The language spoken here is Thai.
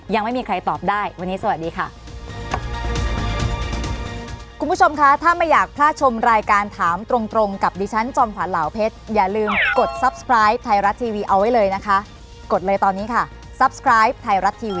ยังไม่มีใครตอบได้วันนี้สวัสดีค่ะ